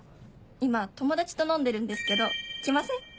今友達と飲んでるんですけど来ません？」。